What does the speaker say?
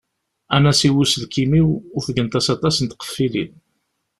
Anasiw n uselkim-iw ufgent-as aṭṭas n tqeffilin.